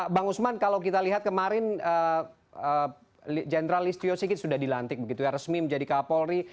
bang usman kalau kita lihat kemarin jenderal listio sigit sudah dilantik begitu ya resmi menjadi kapolri